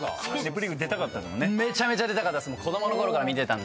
めちゃめちゃ出たかった。